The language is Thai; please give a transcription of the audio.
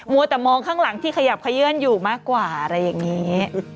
วัวแต่มองข้างหลังที่ขยับขยื่นอยู่มากกว่าอะไรอย่างนี้